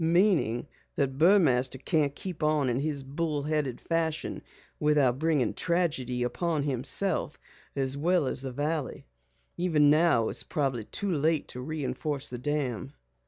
"Meaning that Burmaster can't keep on in his bull headed fashion without bringing tragedy upon himself as well as the valley. Even now it's probably too late to reinforce the dam."